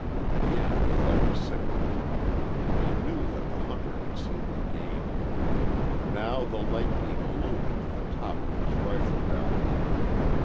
Again he felt the signal. He knew that the hunter had seen the game. Now the light beam illumined the top of his rifle barrel.